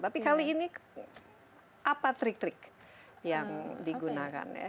tapi kali ini apa trik trik yang digunakan ya